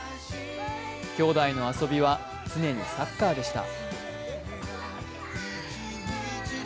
兄弟の遊びは、常にサッカーでした